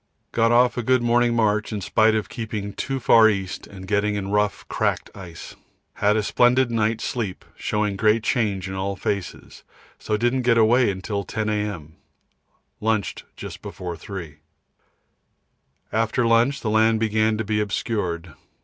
Got off a good morning march in spite of keeping too far east and getting in rough, cracked ice. Had a splendid night sleep, showing great change in all faces, so didn't get away till 10 A.M. Lunched just before 3. After lunch the land began to be obscured.